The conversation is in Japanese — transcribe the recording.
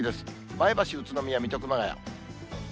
前橋、宇都宮、水戸、熊谷。